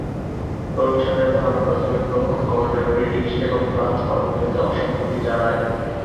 কমিশনের ধারণা প্রথমে গ্রহণ করলেও ব্রিটিশ এবং ফ্রান্স পরবর্তীতে অসম্মতি জানায়।